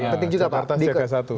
penting juga pak